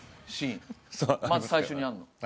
まず最初にあるの。